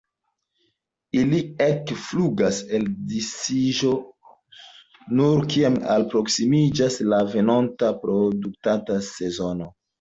Ili ekflugas al disiĝo nur kiam alproksimiĝas la venonta reprodukta sezono.